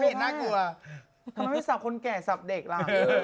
ทำไมไม่สับคนแก่สับเด็กล่ะ